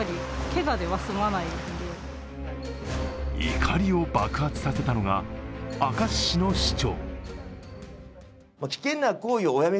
怒りを爆発させたのが明石市の市長。